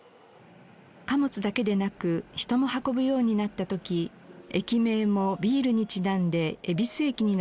貨物だけでなく人も運ぶようになった時駅名もビールにちなんで恵比寿駅になりました。